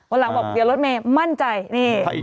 วันหลังบอกเดี๋ยวลดไม่มั่นใจ